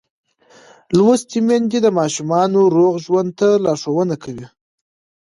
لوستې میندې د ماشومانو روغ ژوند ته لارښوونه کوي.